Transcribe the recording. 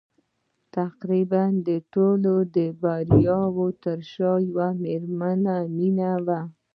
تقريباً د ټولو د برياوو تر شا د يوې مېرمنې مينه وه.